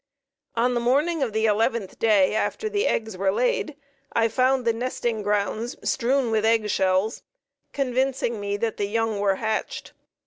On the morning of the eleventh day, after the eggs were laid, I found the nesting grounds strewn with egg shells, convincing me that the young were hatched.